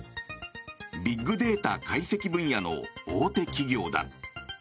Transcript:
ビッグデータ解析分野の大手企業だ。